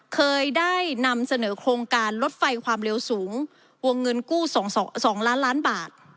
เคยได้นำเสนอโครงการลดไฟความเร็วสูงวงเงินกู้๒ล้านล้านบาท